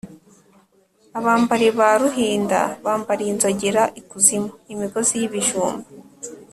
Abambari ba Ruhinda bambariye inzogera ikuzimu-Imigozi y'ibijumba.